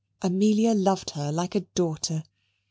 Amelia loved her like a daughter.